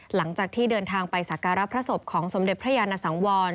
หลังจากที่เดินทางไปสักการะพระศพของสมเด็จพระยานสังวร